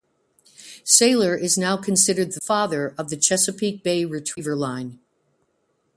Sailor is now considered the "father" of the Chesapeake Bay Retriever line.